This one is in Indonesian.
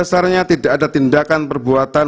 bahwa pada dasarnya tidak ada tindakan perbuatan